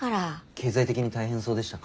経済的に大変そうでしたか？